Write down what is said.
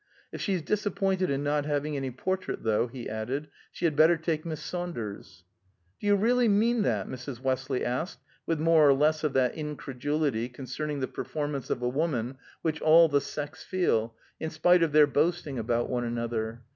"If she's disappointed in not having any portrait, though," he added, "she had better take Miss Saunders's." "Do you really mean that?" Mrs. Westley asked, with more or less of that incredulity concerning the performance of a woman which all the sex feel, in spite of their boasting about one another.